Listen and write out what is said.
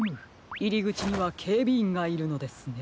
いりぐちにはけいびいんがいるのですね。